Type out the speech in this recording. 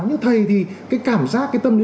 nhưng thầy thì cái cảm giác cái tâm lý